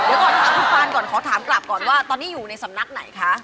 เดี๋ยวก่อนถามคุณปานก่อนขอถามกลับก่อนว่าตอนนี้อยู่ในสำนักไหนคะ